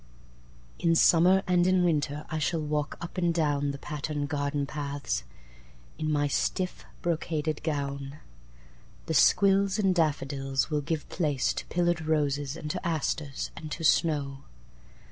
In Summer and in Winter I shall walkUp and downThe patterned garden pathsIn my stiff, brocaded gown. The squills and daffodilsWill give place to pillared roses, and to asters, and to snow.